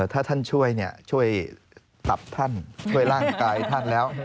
ถ้าท่านช่วยช่วยตับท่านช่วยร่างกายท่านแล้ว